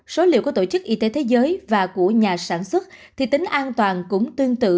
số liệu của tổ chức y tế thế giới và của nhà sản xuất thì tính an toàn cũng tương tự